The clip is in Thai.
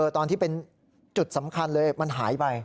ตอนที่เป็นจุดสำคัญเลยมันหายไป